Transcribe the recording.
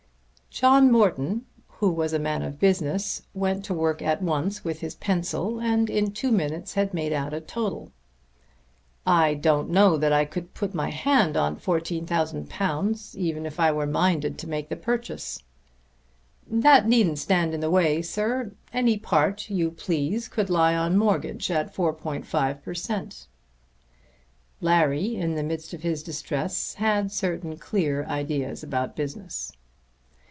John Morton, who was a man of business, went to work at once with his pencil and in two minutes had made out a total. "I don't know that I could put my hand on £14,000 even if I were minded to make the purchase." "That needn't stand in the way, sir. Any part you please could lie on mortgage at 4½ per cent." Larry in the midst of his distress had certain clear ideas about business.